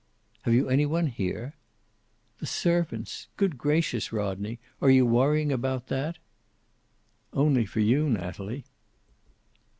"Have you any one here?" "The servants. Good gracious, Rodney, are you worrying about that?" "Only for you, Natalie."